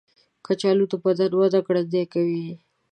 کچالو د بدن وده ګړندۍ کوي.